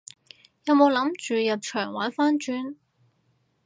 有冇諗住入場玩番轉？